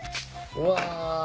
うわ。